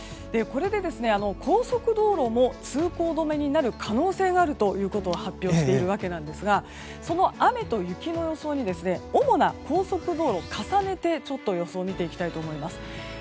これで高速道路も通行止めになる可能性があるということを発表しているわけなんですがその雨と雪の予想に主な高速道路を重ねて予想を見ていきたいと思います。